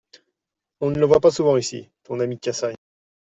On ne le voit pas souvent ici, ton ami Cassagne.